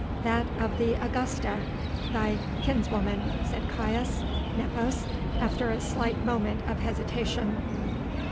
"That of the Augusta, thy kinswoman," said Caius Nepos, after a slight moment of hesitation.